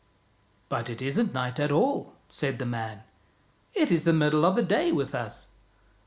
" But it isn't night at all," said the man. " It is the middle of the day with us.